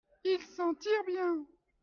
Il s'en tire bien.